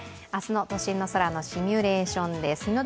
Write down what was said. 明日の都心の空のシミュレーションです。